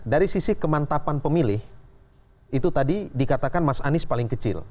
dari sisi kemantapan pemilih itu tadi dikatakan mas anies paling kecil